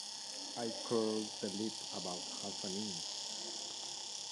I curled the lip about half an inch.